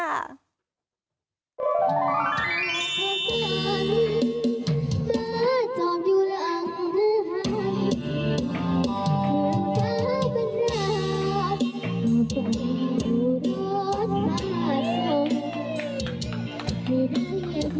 อ้าวเท่างามเท่าห่องเพลงมวล